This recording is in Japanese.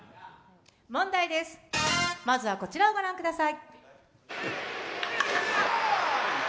問題です、まずはこちらをご覧ください。